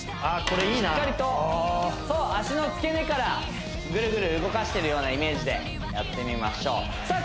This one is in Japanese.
これいいなしっかりと脚の付け根からグルグル動かしてるようなイメージでやってみましょうさあ